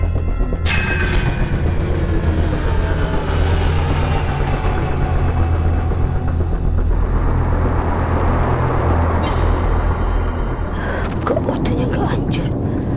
waktunya tidak akan berakhir